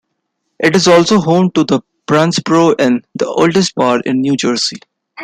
It is also home to the Barnsboro Inn, the oldest bar in New Jersey.